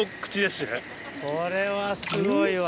これはすごいわ。